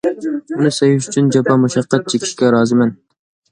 ئۇنى سۆيۈش ئۈچۈن جاپا-مۇشەققەت چېكىشكە رازىمەن.